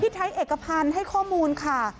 ไทยเอกพันธ์ให้ข้อมูลค่ะ